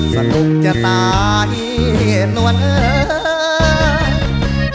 ลูกจะตายตัวเนิน